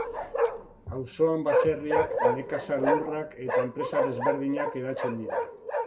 Auzoan baserriak, nekazal lurrak, eta enpresa desberdinak hedatzen dira.